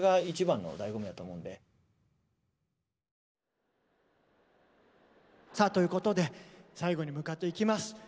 しかもさあということで最後に向かっていきます。